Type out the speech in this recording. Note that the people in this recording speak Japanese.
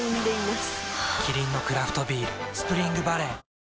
キリンのクラフトビール「スプリングバレー」